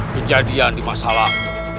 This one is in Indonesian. kejadian di masalah